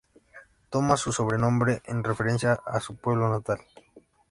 Toma su sobrenombre en referencia a su pueblo natal.